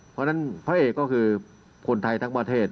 เพราะฉะนั้นพระเอกก็คือคนไทยทั้งประเทศ